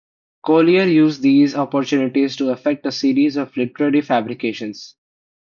Collier used these opportunities to effect a series of literary fabrications.